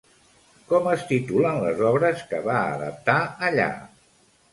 Com es titulen les obres que va adaptar allà?